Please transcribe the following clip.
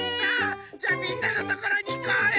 じゃあみんなのところにいこうよ！